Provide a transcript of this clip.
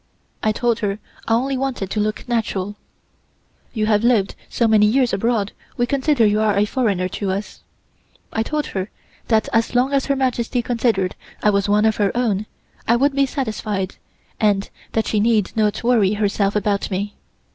I told her I only wanted to look natural. "You have lived so many years abroad we consider you are a foreigner to us." I told her that as long as Her Majesty considered I was one of her own, I would be satisfied and that she need not worry herself about me.